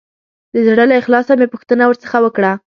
د زړه له اخلاصه مې پوښتنه ورڅخه وکړه.